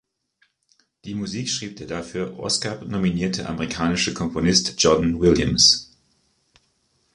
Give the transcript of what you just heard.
Die Musik schrieb der dafür Oscar-nominierte amerikanische Komponist John Williams.